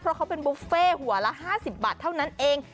เพราะเขาเป็นบุฟเฟ่หัวละ๕๐บาทเท่านั้นเอง